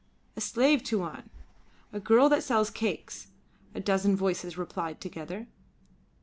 "A slave, Tuan! A girl that sells cakes," a dozen voices replied together.